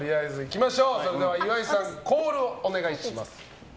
岩井さん、コールをお願いします。